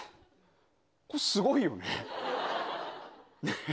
これ、すごいよね。ね？